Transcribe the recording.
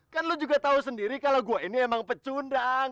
kan lu juga tahu sendiri kalau gue ini emang pecundang